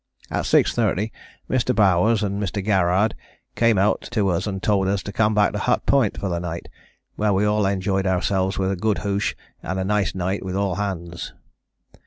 At 6.30 Mr. Bowers and Mr. Garrard came out to us and told us to come back to Hut Point for the night, where we all enjoyed ourselves with a good hoosh and a nice night with all hands.